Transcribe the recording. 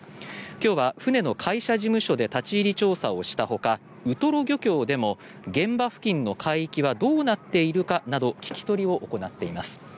今日は船の会社事務所で立ち入り調査をしたほかウトロ漁港でも現場付近の海域がどうなっているか聞き取りを行っています。